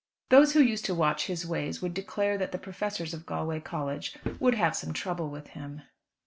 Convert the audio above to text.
Those who used to watch his ways would declare that the professors of Galway College would have some trouble with him.